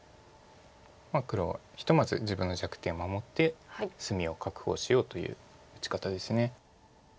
黒はひとまず自分の弱点を守って隅を確保しようという打ち方です。